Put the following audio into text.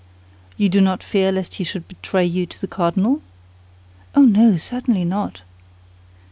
"You do not fear lest he should betray you to the cardinal?" "Oh, no, certainly not!"